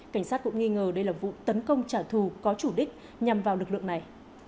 cảnh sát cũng nghi ngờ đây là vụ tấn công trả thù có chủ đích nhằm vào lực lượng này